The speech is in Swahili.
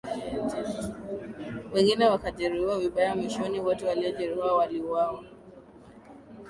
wengine wakajeruhiwa vibaya Mwishoni wote waliojeruhiwa waliuawa